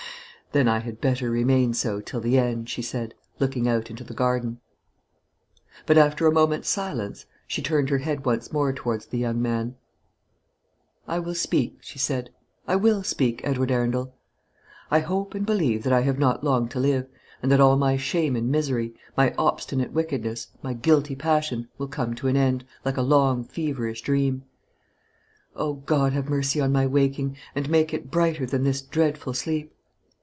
"Then I had better remain so till the end," she said, looking out into the garden. But after a moment's silence she turned her head once more towards the young man. "I will speak," she said; "I will speak, Edward Arundel. I hope and believe that I have not long to live, and that all my shame and misery, my obstinate wickedness, my guilty passion, will come to an end, like a long feverish dream. O God, have mercy on my waking, and make it brighter than this dreadful sleep!